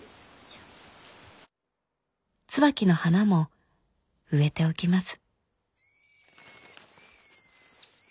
椿の花も植えておきます」。